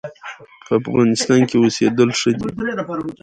په افغانستان کې رسوب د خلکو د ژوند په کیفیت تاثیر کوي.